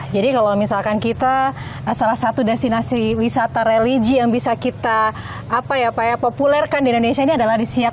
jadi kalau misalkan kita salah satu destinasi wisata religi yang bisa kita populerkan di indonesia ini adalah di siak